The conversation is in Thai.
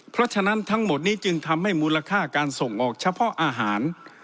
เพราะฉะนั้นทั้งหมดนี้จึงทำให้มูลค่าการส่งออกเฉพาะอาหาร